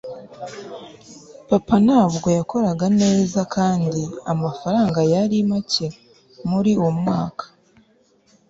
papa ntabwo yakoraga neza kandi amafaranga yari make muri uwo mwaka